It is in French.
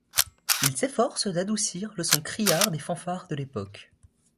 Il s'efforce d'adoucir le son criard des fanfares de l'époque.